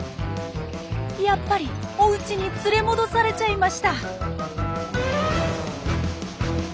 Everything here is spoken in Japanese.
やっぱりおうちに連れ戻されちゃいました。